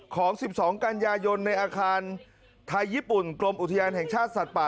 ของ๑๒กันยายนในอาคารไทยญี่ปุ่นกรมอุทยานแห่งชาติสัตว์ป่า